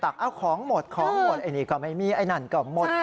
ของหมดของหมดไอ้นี่ก็ไม่มีไอ้นั่นก็หมด